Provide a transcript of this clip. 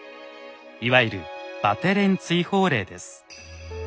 いわゆる「バテレン追放令」です。